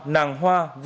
nàng hoa v